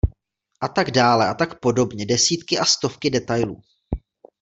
A tak dále, a tak podobně, desítky a stovky detailů...